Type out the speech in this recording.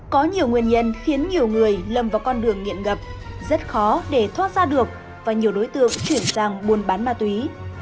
có nhiều nguyên nhân khiến nhiều người lầm vào con đường nghiện gặp rất khó để thoát ra được và nhiều đối tượng chuyển sang buôn bán ma túy